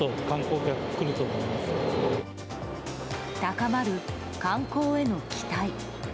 高まる観光への期待。